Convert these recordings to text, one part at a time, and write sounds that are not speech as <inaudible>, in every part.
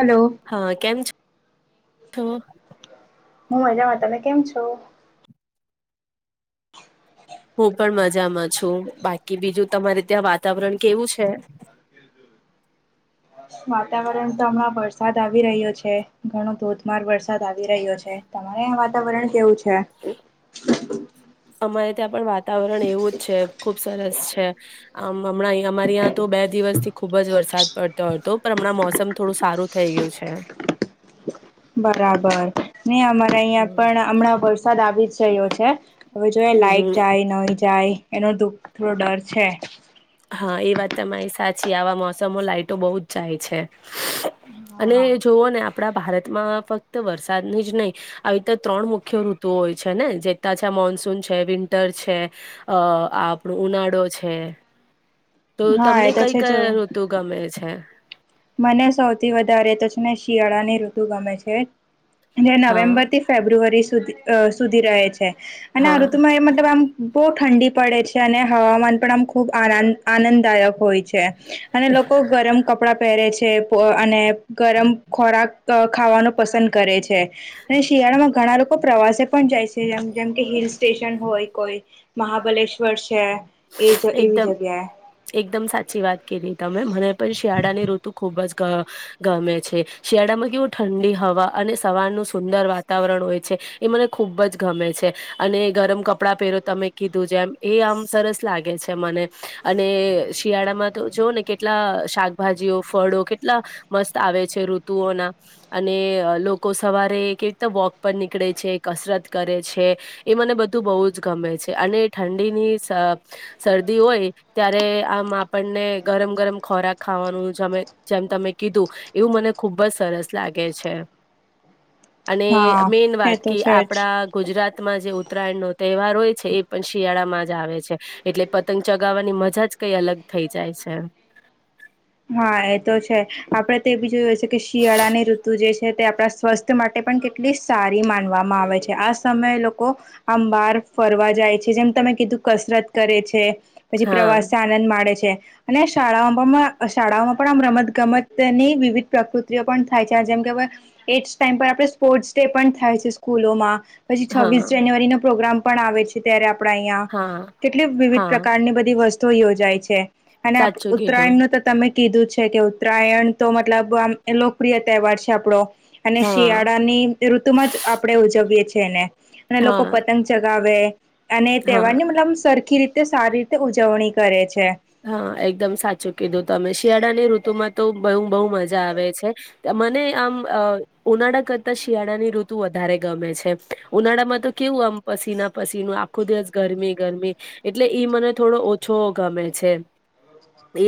Hello. હા, કેમ છો. હું, મજામાં તમે કેમ છો. હું, પણ મજામાં છું. બાકી બીજું તમારે ત્યાં. વાતાવરણ કેવું છે. <inaudible> વાતાવરણ તો હમણાં વરસાદ આવી રહ્યો છે. ઘણો ધોધમાર વરસાદ આવી રહ્યો છે. તમારે વાતાવરણ કેવું છે. અમારે ત્યાં પણ વાતાવરણ એવું જ છે. ખુબ સરસ છે. આમ હમણાં અહીંયા અમારે ત્યાં તો બે દિવસથી. ખુબ જ વરસાદ પડતો હતો પણ હમણાં તો મોસમ થોડું સારું થઈ ગયું છે. બરાબર ને અમારે અહિયાં પણ હમ હમણાં વરસાદ આવી જ રહ્યો છે. હવે જો એ હમ લાઇટ જાય નહી જાય એનો થોડો ડર છે. હા, એ વાત તમારી સાચી આવા મોસમમાં લાાઈટો બહુ જ જાય છે. અને જોવો ને આપણે. આપણા ભારતમાં ફક્ત વરસાદની જ નહીં આવી તો ત્રણ મુખ્ય ઋતુઓ હોય છે. ને જેમાં મોનસૂન છે. વિન્ટર છે. આ આપણો ઉનાળો છે. તો હા તમને એ તો કઈ છે જો કઈ ઋતુ ગમે છે. મને સૌથી વધારે તો છે. ને શિયાળાની ઋતુ ગમે છે. જે હા નવેમ્બર થી ફેબ્રુઆરી સુધી સુધી રહે છે. અને આ હા ઋતુમાં એ મતલબ આમ. બહુ ઠંડી પડે છે. અને હવામાન પણ આમ ખૂબ આનંદ આનંદ દાયક હોય છે. અને લોકો ગરમ, કપડા. પેહેરે છે. અને ગરમ ખોરાક ખાવાનું પસંદ કરે છે. અને શિયાળામાં ઘણા લોકો પ્રવાસે પણ જાય છે. જેમ કે હિલ સ્ટેશન હોય કોઈ. મહાબલેશ્વર છે. એ જ એવી એકદમ જગ્યાએ. એકદમ સાચી વાત કીધી તમે મને પણ શિયાળાની ઋતુ. ખુબ જ ગમે છે. શિયાળામાં કેવું ઠંડી હવા અને સવારનું સુંદર વાતાવરણ, છે. એ મને ખૂબ જ ગમે છે. અને ગરમ કપડાં પહેરો તમે. કીધું જેમ એ આમ સરસ લાગે છે. મને અને શિયાળામાં તો જોઓ ને કેટલા. શાકભાજીઓ ફળો કેટલા મસ્ત આવે છે. ઋતુઓના અને લોકો સવારમાં એ કેવી રીતે વોક પર નીકળે છે. કસરત કરે છે. એ મને બધું બહુ જ ગમે છે. અને ઠંડીની શરદી હોય ત્યારે આમ આપણને ગરમ ગરમ ખાવાનું ખોરાક ખાવાનું જેમ તમે કીધું એવું મને ખુબ જ સરસ લાગે છે. <inaudible> અને હા મેન એ વાત તો કે છે જ આપણા ગુજરાતમાં જે ઉત્તરાયણનો તહેવાર હોય છે. એ પણ શિયાળામાં જ આવે છે. એટલે પતંગ ચગાવવાની મજા જ કઈ અલગ થઈ જાય છે. હા એ તો છે. આપડે તો બીજું હોય છે. કે શિયાળા ની ઋતુ જે છે. તે આપણા સ્વાસ્થ્ય માટે પણ કેટલી સારી માનવામાં આવે છે. આ સમયે લોકો આમ બાર ફરવા જાય છે. જેમ તમે કીધું કસરત કરે છે. પછી હા પ્રવાસ આનંદ માડે છે અને શાળાઓમાં. શાળાઓમાં પણ આમ રમતગમતની વિવિધ પ્રકૃતિઓ પણ થાય છે જેમ કે એટ્સ ટાઈમ પર સ્પોર્ટ્સ ડે પણ થાય છે સ્કૂલોમાં પછી છવ્વીસ હા જાન્યુઆરીનો પ્રોગ્રામ પણ આવે છે ત્યારે આપડા અહિયાં હા કેટલી વિવિધ હા પ્રકારની બધી વસ્તુઓ યોજાય છે. અને સાચું કીધું ઉત્તરાયણ નું તો તમે કીધું છે કે ઉત્તરાયણ તો મતલબ આમ લોકપ્રિય તહેવાર છે આપડો. અને હા શિયાળાની ઋતુમાં જ આપણે ઉજવીએ છીએ એને અને હા લોકો પતંગ ચગાવે અને હા તહેવાર ની મતલબ સરખી રીતે તે સારી રીતે ઉજવણી કરે છે. હા એકદમ સાચું કીધું તમે શિયાળાની ઋતુમાં તો બહુ બહુ મજા આવે છે મને આમ ઉનાળા કરતા શિયાળા ની ઋતુ વધારે ગમે છે ઉનાળામાં તો કેવું આમ પસીના પસીનો આખો દિવસ ગરમી ગરમી એટલે ઈ મને થોડો ઓછો ગમે. મે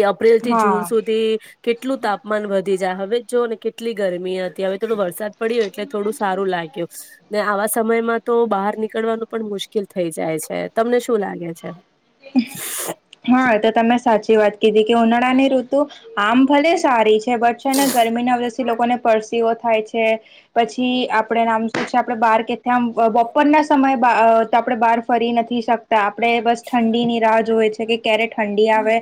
અપ્રિલ થી જૂન હા સુધી કેટલું તાપમાન વધી જાય હવે જો ને કેટલી ગરમી હતી હવે થોડો વરસાદ પડ્યો એટલે થોડું સારું લાગ્યું. ને આવા સમયમાં તો બહાર નીકળવાનું પણ મુશ્કેલ થઈ જાય છે તમને શું લાગે છે. હા. તમે સાચી વાત કીધી કે ઉનાળાની ઋતુ આમ ભલે સારી છે બટ છે ને ગરમીના લોકોને પરસેવો થાય છે પછી આપડે આમ શું છે આપડે બાર કે આમ બપોરના સમય તો આપણે બહાર ફરી નથી શકતા આપણેે બસ ઠંડી ની રાહ જોવે છે કે ક્યારે ઠંડી આવે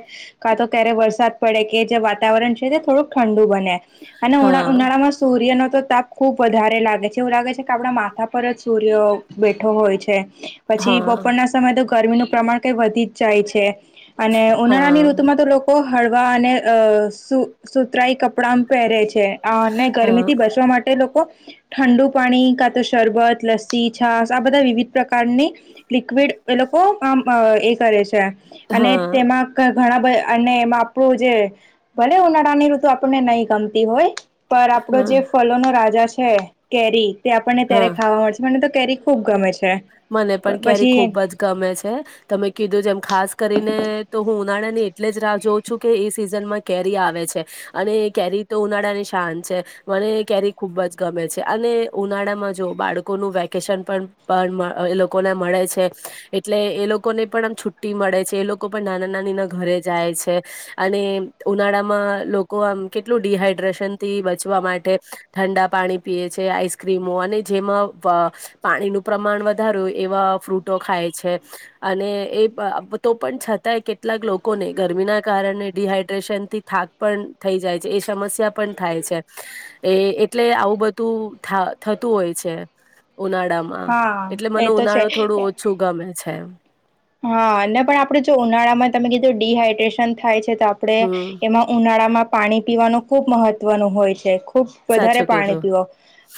કા તો ત્યારે વરસાદ પડે કે જે વાતાવરણ છે તે થોડુંક ઠંડુ બને. અને ઉ હા ઉનાળામાં સૂર્ય ન તો તાપ ખુબ વધારે લાગે છે એવું લાગે છે કે આપણા માથા પર જ સૂર્ય બેઠો હોય છે. પછી હા બપોરના સમય તો ગરમીનું પ્રમાણ કઈ વધી જ જાય છે. અને ઉનાળા ની હા. ઋતુ માં તો લોકો હળવા અને અ સુ સુતરાઈ કપડા પહેરે છે. ને હા ગરમી થી બચવા માટે લોકો ઠંડુ પાણી કા તો શરબત લેશે. છાસ આ બધા વિવિધ પ્રકારની લિક્વિડ એ લોકો આમ અ એ કરે છે અને હા તેમાં ઘણા મા અને એમાં આપણું જે ભલે ઉનાળાની ઋતુ આપણને નહી ગમતી હોય પર આપડો હા જે ફલો નો રાજા છે કેરી તે આપણને હા ત્યારે ખાવા મળેશે મને કેરી ખુબ ગમે છે. મને પણ ક્યારે પછી ખુબ જ ગમે છે. તમે કીધું જેમ ખાસ કરીને તો હું ઉનાળા ની એટલે જ રાહ જોઉં છું કે એ સિઝન માં કેરી આવે છે. અને કેરી તો ઉનાળા ની શાન છે મને કેરી ખુબ જ ગમે છે અને ઉનાળા માં જો બાળકોનું વેકેશન પણ પણ એ લોકોને મળે છે એટલે એ લોકોને પણ છુટ્ટી મળે છે એ લોકો પણ નાના નાની ના ઘરે જાય છે અને ઉનાળા માં લોકો આમ કેટલું ડિહાઈડ્રેશન થી બચવા માટે ઠંડા પાણી પીએ છે આઈસક્રીમો અને જેમાં પ‌ પાણીનું પ્રમાણ વધારે હોય એવા ફ્રૂટો ખાય છે અને એ તો પણ છતાંય કેટલા કેટલાક લોકોને ગરમીના કારણે ડીહાઈડ્રેશન થી થાક પણ થઈ જાય છે એ સમસ્યા પણ થાય છે. એ એટલે આવું બધું થા થતું હોય છે. ઉનાળામાં હા એટલે એ મને તો છે ઉનાળો થોડું ઓછું ગમે છે. હા ને પણ આપડે જો ઉનાળામાં તમે કીધું ડીહાઈડ્રેશન થાય છે તો આપણે હમ એમાં ઉનાળામાં પાણી પીવાનું ખુબ મહત્વનું હોય છે. ખૂબ વધારે સાચું પાણી કીધું પીવો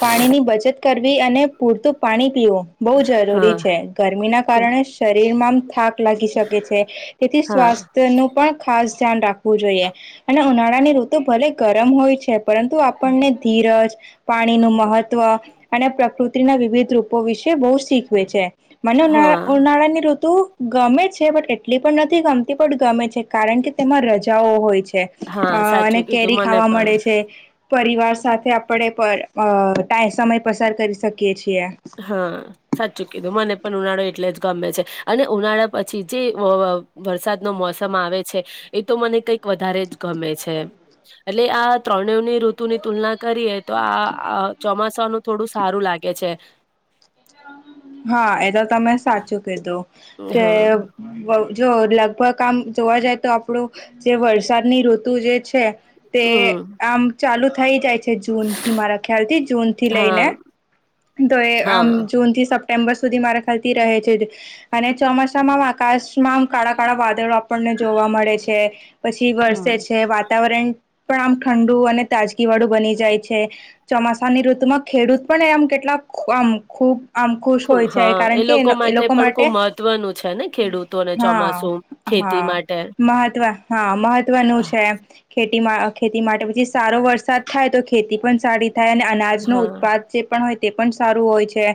પાણીની બચત કરવી અને પૂરતું પાણી પીવું બહુ હા જરૂરી છે ગરમી ના કો કારણે શરીરમાં થાક લાગી શકે છે તેથી હા સ્વાસ્થ્ય નું પણ ખાસ ધ્યાન રાખવું જોઈએ અને ઉનાળા ની ઋતુ ભલે ગરમ હોય છે પરંતુ આપણને ધીરજ પાણીનુંું મહત્વ અને પ્રકૃતિના વિવિધ રૂપો વિશે બહુ શીખવે છે મને ઉ હા ઉનાળાની ગમે છે બટ એટલી પણ નથી ગમતી પણ ગમે છે કારણ કે તેમાં રજાઓ હોય છે અ હા સાચું અને કીધું કેરી મને ખાવા પણ મળે છે પરિવાર સાથે આપણે ટાઈમસમય પસાર કરી શકીએ છીએ હા સાચું કીધું મને પણ ઉનાળો એટલે જ ગમે છે અને ઉનાળા પછી જે વરસાદ ન મોસમ આવે છે એ તો મને કઈક વધારે જ ગમે છે એટલે આ ત્રણેની ઋતુ ની તુલના કરીએ તો આ ચોમાસાનું થોડું સારું લાગે છે હા એ તો તમે સાચું કીધું કે હા જો લગભગ આમ જોવા જાય તો આપણું જે વરસાદની ઋતુ જે છે તે હમ આમ ચાલુ થઈ જાય છે જૂનથી મારા ખ્યાલ થી જૂનથી હા લઈને તો આમ હા જૂનથી સપ્ટેમ્બર સુધી મારા ખાલથી રહે છે અને ચોમાસામાં આકાશમાં કાળા કાડાવાદળો આપને જોવા મળે છે પછી વરસે છે વા વાતાવરણ પણ આમ ઠંડુ અને તાજગી વાળું બની જાય છે ચોમાસાની ઋતુમાં ખેડૂત પણ આમ કેટલાક આમ ખૂબ આમ ખુશ ખુબ હોય છે હા કારણ કે એ લોકો પણ માટે ખુબ મહત્વનું છે ને ખેડૂતોને ચોમાસું હા ખેતી હા માટે મહત્વ હા મહત્વનું હા છે ખ ખેતી માટે પછી સારો વરસાદ થાય તો ખેતી પણ સારી થાય અને અનાજનો ઉત્પાદ જે પણ હોય તે પણ સારું હોય છે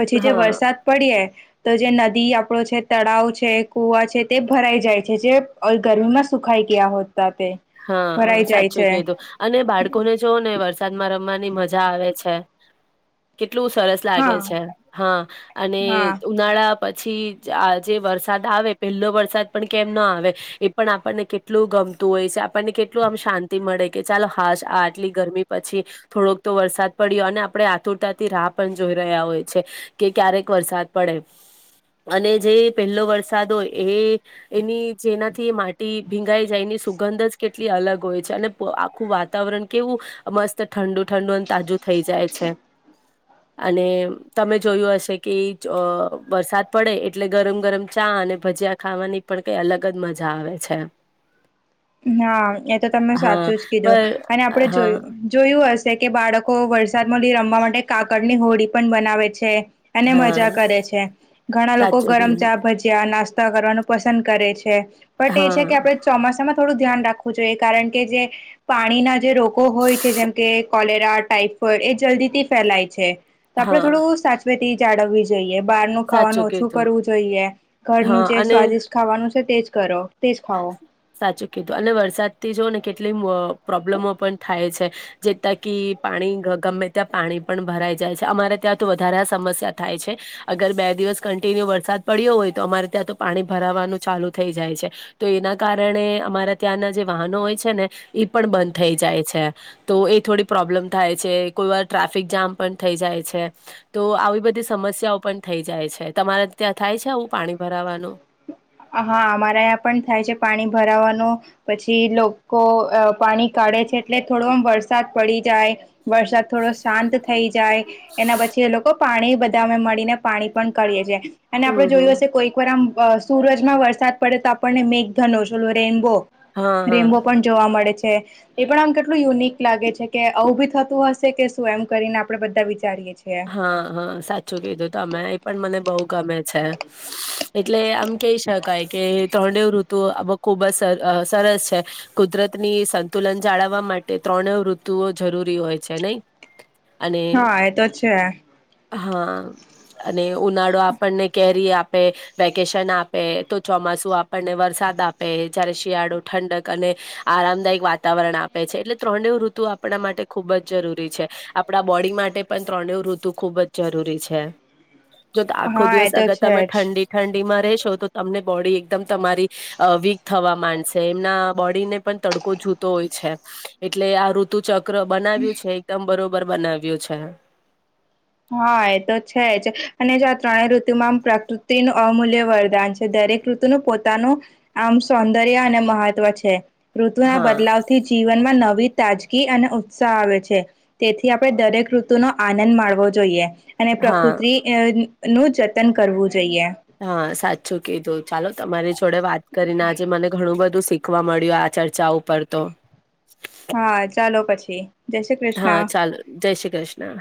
પછી જે હા વરસાદ પડીએ તો જે નદી આપણો છે તળાવ છે કૂવા છે તે ભરાઈ જાય છે જે ગરમીમાં સુખાઈ ગયા હોત હા સાચું કધું અને બાળકોને જો ને વરસાદમાં ર રમવાની મજા આવે છે એટલું સરસ લાગે હા છે હા અને હા ઉનાળા પછી આ જે વરસાદ આવે પહેલો વરસાદ પણ કેમ ના આવે એ પણ આપણને કેટલું ગ મતું હોય છે આપ આપણને કેટલું આમ શાંતિ મળે કે ચાલ હ આટલી ગરમી પછી થોડોક તો વરસાદ પડ્યો અને આપણે આતુરતાથી રાહ પણ જોઈ રહ્યા હોય છે કે ક્યારેક વરસાદ પડે અને જે પહેલો વરસાદ હોય એ એની જેનાથી માટી ભીંગાઈ જાયની સુગંધ જ કેટલી અલગ હોય છે અને આખું વાતાવરણ કેવું મસ્ત ઠંડુ ઠંડુ અને તાજું થઈ જાય છે અને તમે જોયું હશે કે વરસાદ પડે એટલે ગરમ ગરમ ચા અને ભજીયા ખાવાની પણ કઈ અલગ જ મજા આવે છે હા એ તો તમે હા સાચું જ કીધું પર અને આપડે હા જોયું જોયું હશે જે કે બાળકો વરસાદમાં રમવા માટે કાગડ ની હોડી પણ બનાવે છે અને હા મજા કરે છે ઘણા લોકો સાચું ગરમ કીધું ચા ભજયા નાસ્તા કરવાનું પસંદ કરે છે પણટ એ છે કે હા આપડ ચોમાસામાં થોડું ધ્યાન રાખવું જોઈએ કારણ કે જે પાણીના જે રોગો હોય છે જેમ કે કોલેરા ટાઈપ ફ એ જલ્દી થી ફેલાય છે તો આપડે હા થોડું સાચવેથી જાળવવી જોઈએ બહારનું ખાવાનું સાચું ઓછું કીધું કરવું જોઈએ હા ઘરનું જે અને સ્વાદિષ્ટ ખાવાનું છે તેજ કરો તેજ ખાઓ સાચું કીધું અને વરસાદથી જો ને કેટલી પ્રોબ્લેમો પણ થાય છે જેતાકી પાણી ગમે ત્યાં પાણી પણ ભરાઈ જાય છે અમારે ત્યાં તો વધારે સમસ્યા થાય છે અગર બે દિવસ કન્ટિન્યુ વરસાદ પડ્યો હોય તો અમારે ત્યાં તો પાણી ભરાવાનું ચાલુ થઈ જાય છે તો એના કારણે અમારા ત્યાંના જે વાહનો હોય છે ને એ પણ બંધ થઈ જાય છે તો થોડી પ્રોબ્લેમ થાય છે કોઈ વાર ટ્રાફિક જામ પણ થઈ જાય છે તો આવી બધી સમસ્યાઓ પણ થઈ જાય છે. તમારે ત્યાં થાય છે આવું પાણી ભરાવાનું? હા. અમારા આયાં પણ થાય છે પાણી ભરાવાનું. પછી લોકો અ.. પાણી કાઢે છે. એટલે થોડો આમ વરસાદ પડી જાય. વરસાદ થોડો શાંત થઈ જાય. એના પછી એ લોકો પાણી અમે બધા મળીને પાણી પણ કરીએે છે. અને આપણે હમ હમ જોયું હશે, કોઈક વાર આમ સૂરજમાં વરસાદ પડે તો આપણને મેઘધનુષ ઓલો રેઇનબો હા હા રેમ્બો પણ જોવા મળે છે. એ પણ આમ કેટલું યુનિક લાગે છે. કે આવું બી થતું હશે કે શું એમ કરીને આપણે બધા વિચારીએ. છીએ હા-હા સાચું કીધું તમે. એ પણ મને બઉ ગમે છે. સ.. સ.. એટલે આમ કહી શકાય કે ત્રણેય ઋતુઓ ખુબ જ સર સરસ છે. કુદરત ની સંતુલન જાળવવા માટે ત્રણે ઋતુઓ જરૂર પૂરી હોય છે, નહી. અને હા એ તો છે. હા. અને ઉનાળો આપણને કેરી આપે, વેકેશન આપે, તો ચોમાસ સું આપણને વરસાદ આપે. જયારે શિયાળો ઠંડક અને આરામદાયક વાતાવરણ આપે છે. એ ત્રણે ઋતુ આપણા માટે ખૂબ જ જરૂરી છે. આપણા બોડી માટે પણ તણે ઋતુ ખુબ જ જરૂરી છે. જો આખો હા એ દિવસ તો અગર છે તમે જ ઠંડી-ઠંડી એમા રેશો તો તમને બોડી એકમ તમારી વીક થવા માંડશે. એમના બોડીને પણ <unintelligible> જતો હોય છે. એટલે આ ઋતુ ચ ચક્ર બનાવ્યું છે, એકદમ બરોબર બનાવ્યું છે. હા. એ તો છે જ. અને જો આ ત્રણેય ઋતુમાં પ્રકૃતિનું અમૂલ્ય વરદાન છે. દરેક ઋતુનું પોતાનું આમ, સૌંદર્ય અને મહત્વ છે. ઋતુના હા બદલાવથી જીવનમાં નવી તાજગી અને ઉત્સાહ આવે છે. તેથી આપણે દરેક ઋતુનો આનંદ માણવો જોઈએ. અને હા પ્રકૃતિ અ નું જતન કરવું જોઈએ. હા. સાચું કીધું. ચાલો, તમારી જોડે વાત કરીને આજે મને ઘણું બધું શીખવા મળ્યો આ ચર્ચા ઉપર તો. હા. ચાલો પછી. જય શ્રી હા. કૃષ્ણ ચાલો, જય શ્રી કૃષ્ણ.